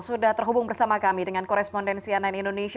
sudah terhubung bersama kami dengan korespondensi ann indonesia